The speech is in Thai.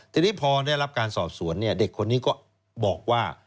ทีนี้พอได้รับการสอบสวนเด็กคนนี้ก็บอกว่า